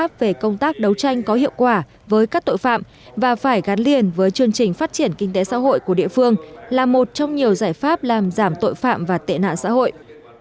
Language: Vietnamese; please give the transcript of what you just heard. giải pháp về công tác đấu tranh có hiệu quả với các tội phạm và phải gắn liền với chương trình phát triển kinh tế xã hội của địa phương là một trong nhiều giải pháp làm giảm tội phạm và tệ nạn xã hội